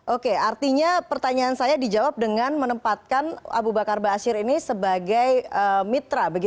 oke artinya pertanyaan saya dijawab dengan menempatkan abu bakar basir ini sebagai mitra